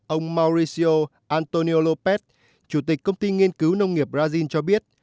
ông mauricio antonio lopes chủ tịch công ty nghiên cứu nông nghiệp brazil cho biết